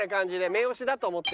目押しだと思って。